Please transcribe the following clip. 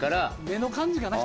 目の感じかな？